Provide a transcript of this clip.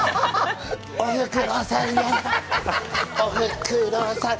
おふくろさん、おふくろさん。